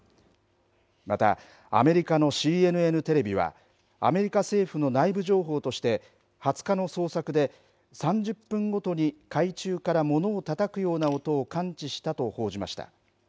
またアメリカのＣＮＮテレビはアメリカ政府の内部情報として、２０日の捜索で、３０分ごとに海中から物をたたくような音を感知したと報じました。